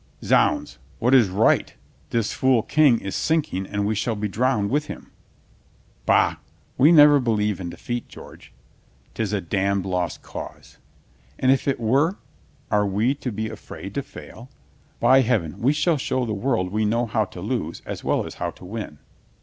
"Zounds, what is right? This fool King is sink ing and we shall be drowned with him." THE HOME OF LOST CAUSES 211 "Bah, we never believe in defeat, George." " 'Tis a damned lost cause." "And if it were, are we to be afraid to fail? By Heaven, we will show the world we know how to lose as well as how to win."